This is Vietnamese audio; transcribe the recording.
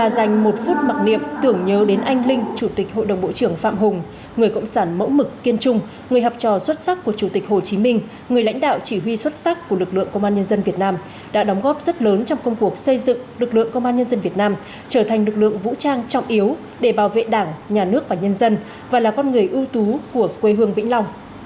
chủ tịch hội đồng bộ trưởng phạm hùng người cộng sản mẫu mực kiên trung người hợp trò xuất sắc của chủ tịch hồ chí minh người lãnh đạo chỉ huy xuất sắc của lực lượng công an nhân dân việt nam đã đóng góp rất lớn trong công cuộc xây dựng lực lượng công an nhân dân việt nam trở thành lực lượng vũ trang trọng yếu để bảo vệ đảng nhà nước và nhân dân và là con người ưu tú của quê hương vĩnh long